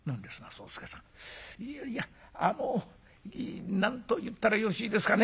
「いやいやあの何と言ったらよろしいですかね。